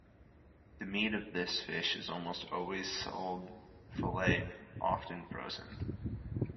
The meat of this fish is almost always sold filleted, often frozen.